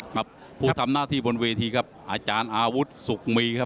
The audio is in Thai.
ครับผู้ทำหน้าที่บนเวทีครับอาจารย์อาวุธสุขมีครับ